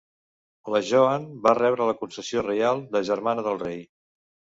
La Joan va rebre la concessió reial de germana del Rei.